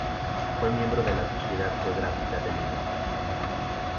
Fue miembro de la Sociedad Geográfica de Lima.